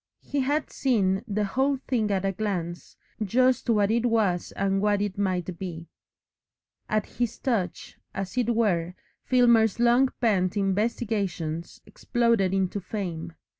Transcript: He had seen the whole thing at a glance, just what it was and what it might be. At his touch, as it were, Filmer's long pent investigations exploded into fame.